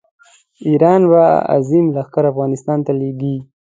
ایران به عظیم لښکر افغانستان ته لېږي.